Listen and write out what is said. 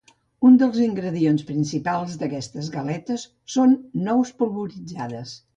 Un dels ingredients principals d'aquestes galetes són nous polvoritzades.